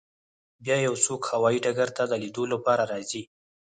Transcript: بیا یو څوک هوایی ډګر ته د لیدو لپاره راځي